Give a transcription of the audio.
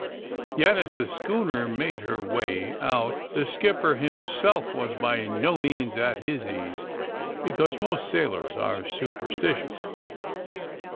'' Yet, as the schooner made her way out the skipper himself was by no means at his ease. Because most sailors are superstitious.